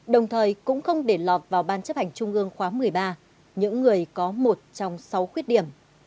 đồng thời cũng không để lọt vào ban chấp hành trung ương khóa một mươi ba những người có một trong sáu khuyết điểm